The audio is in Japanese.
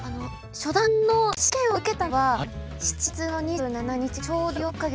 初段の試験を受けたのは７月の２７日でちょうど４か月。